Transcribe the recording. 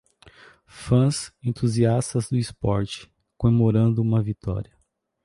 Fãs entusiastas do esporte comemorando uma vitória.